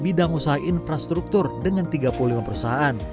bidang usaha infrastruktur dengan tiga puluh lima perusahaan